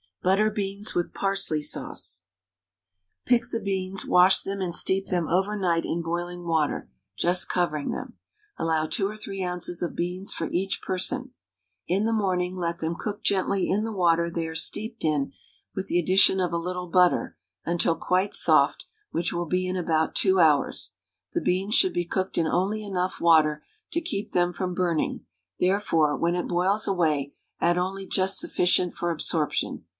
BUTTER BEANS WITH PARSLEY SAUCE. Pick the beans, wash them, and steep them over night in boiling water, just covering them. Allow 2 or 3 oz. of beans for each person. In the morning, let them cook gently in the water they are steeped in with the addition of a little butter, until quite soft, which will be in about 2 hours. The beans should be cooked in only enough water to keep them from burning, therefore, when it boils away, add only just sufficient for absorption.